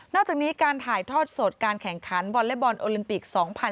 อกจากนี้การถ่ายทอดสดการแข่งขันวอเล็กบอลโอลิมปิก๒๐๑๖